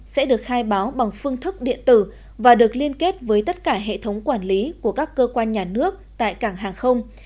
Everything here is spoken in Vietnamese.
sẽ được khai báo bằng phương thức điện tử và được liên kết với tất cả hệ thống quản lý của các cơ quan nhà nước tại cảng hàng không